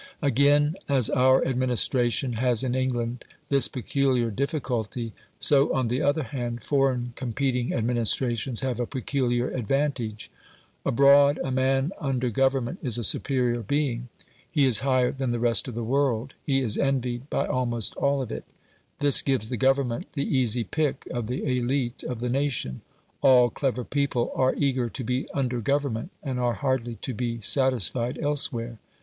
Again, as our administration has in England this peculiar difficulty, so on the other hand foreign competing administrations have a peculiar advantage. Abroad a man under Government is a superior being: he is higher than the rest of the world; he is envied by almost all of it. This gives the Government the easy pick of the elite of the nation. All clever people are eager to be under Government, and are hardly to be satisfied elsewhere.